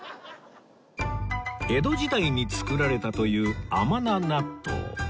江戸時代に作られたという甘名納糖